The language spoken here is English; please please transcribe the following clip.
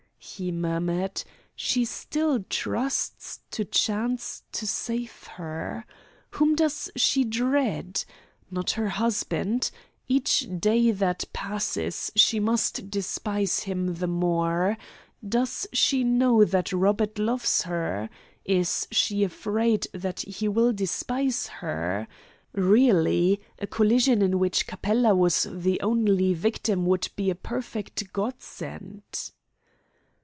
he murmured. "She still trusts to chance to save her. Whom does she dread? Not her husband. Each day that passes she must despise him the more. Does she know that Robert loves her? Is she afraid that he will despise her? Really, a collision in which Capella was the only victim would be a perfect godsend."